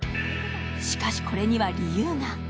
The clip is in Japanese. しかしこれには理由が。